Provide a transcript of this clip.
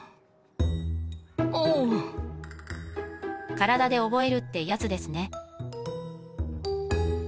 体で覚えるってやつですね